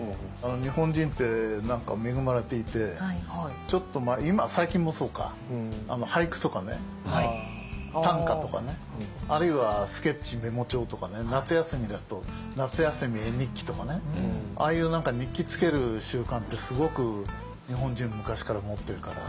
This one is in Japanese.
日本人って何か恵まれていてちょっと最近もそうか俳句とかね短歌とかねあるいはスケッチメモ帳とかね夏休みだと夏休み絵日記とかね。ああいう何か日記つける習慣ってすごく日本人昔から持ってるから。